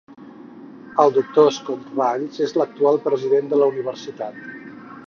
El doctor Scott Ralls és l'actual president de la universitat.